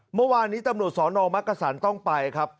เมื่อวานนี้ตำรวจสอนอมักกษันต้องไปครับ